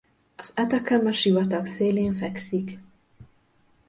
Az Atacama-sivatag szélén fekszik.